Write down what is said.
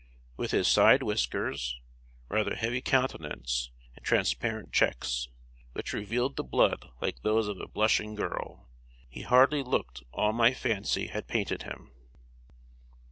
With his side whiskers, rather heavy countenance, and transparent cheeks, which revealed the blood like those of a blushing girl, he hardly looked all my fancy had painted him.